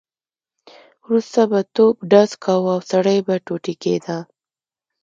وروسته به توپ ډز کاوه او سړی به ټوټې کېده.